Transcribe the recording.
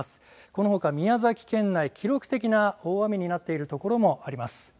このほか宮崎県内、記録的な大雨になっているところもあります。